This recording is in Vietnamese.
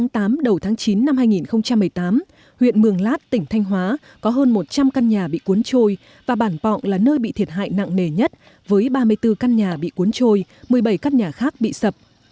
tháng tám đầu tháng chín năm hai nghìn một mươi tám huyện mường lát tỉnh thanh hóa có hơn một trăm linh căn nhà bị cuốn trôi và bản pọng là nơi bị thiệt hại nặng nề nhất với ba mươi bốn căn nhà bị cuốn trôi một mươi bảy căn nhà khác bị sập